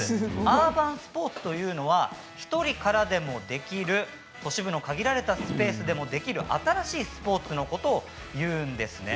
アーバンスポーツというのは１人からでもできる都市部の限られたスペースでもできる新しいスポーツのことをいうんです。